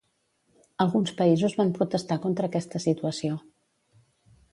Alguns països van protestar contra aquesta situació.